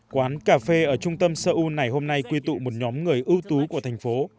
quán cà phê ở trung tâm seoul ngày hôm nay quy tụ một nhóm người ưu tú của thành phố